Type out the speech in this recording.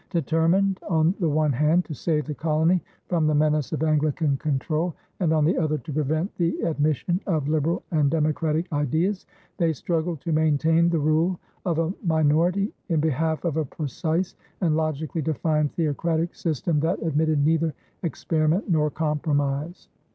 Determined, on the one hand, to save the colony from the menace of Anglican control, and, on the other, to prevent the admission of liberal and democratic ideas, they struggled to maintain the rule of a minority in behalf of a precise and logically defined theocratic system that admitted neither experiment nor compromise.